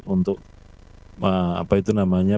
untuk apa itu namanya